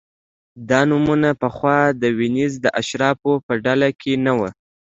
دا نومونه پخوا د وینز د اشرافو په ډله کې نه وو